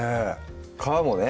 皮もね